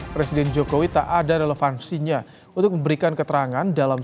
presiden jokowi tak ada relevansinya untuk memberikan keterangan dalam